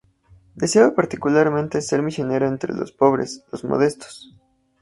Deseaba particularmente ser misionero entre los pobres, los modestos.